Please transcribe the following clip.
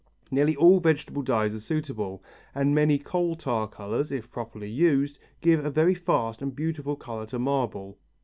Nearly all vegetable dyes are suitable, and many coal tar colours, if properly used, give a very fast and beautiful colour to marble.